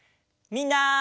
みんな。